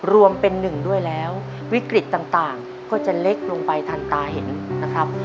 รวมเป็นหนึ่งด้วยแล้ววิกฤตต่างก็จะเล็กลงไปทันตาเห็นนะครับ